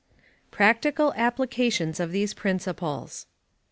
Practical Applications of these Principles.